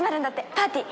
パーティー。